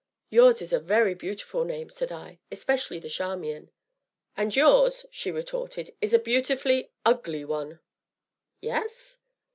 "Yours is a very beautiful name," said I, "especially the Charmian!" "And yours," she retorted, "is a beautifully ugly one!" "Yes?"